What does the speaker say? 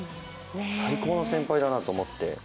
最高の先輩だなと思って。